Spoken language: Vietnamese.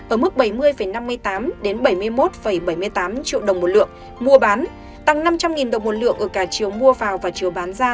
ở mức bảy mươi năm mươi tám bảy mươi một bảy mươi tám triệu đồng một lượng mua bán tăng năm trăm linh đồng một lượng ở cả chiều mua vào và chiều bán ra